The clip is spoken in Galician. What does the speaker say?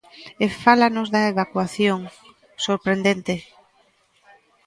E fálanos de evacuación, sorprendente.